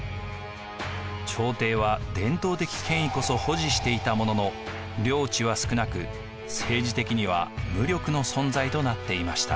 朝廷は伝統的権威こそ保持していたものの領地は少なく政治的には無力の存在となっていました。